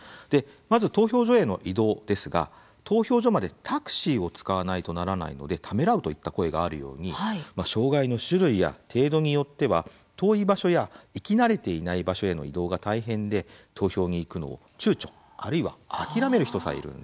まず「投票所への移動」ですが「投票所までタクシーを使わないとならないのでためらう」といった声があるように障害の種類や程度によっては遠い場所や行き慣れていない場所への移動が大変で投票に行くのを躊躇あるいは諦める人さえいるんです。